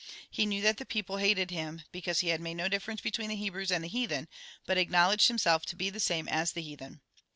He knew that the people hated him because he made no difference between the Hebrews and the heathen, but acknowledged himself to be the same as the heathen.